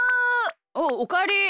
おうおかえり。